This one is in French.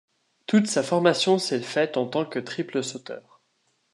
Toute sa formation s'est faite en tant que triple sauteur.